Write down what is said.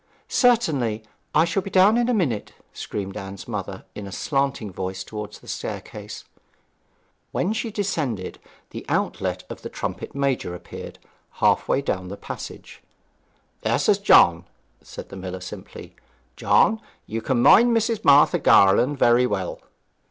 'Certainly; I shall be down in a minute,' screamed Anne's mother in a slanting voice towards the staircase. When she descended, the outline of the trumpet major appeared half way down the passage. 'This is John,' said the miller simply. 'John, you can mind Mrs. Martha Garland very well?'